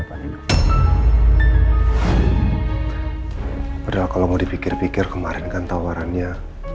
padahal kalau mau dipikir pikir kemarin kan tawarannya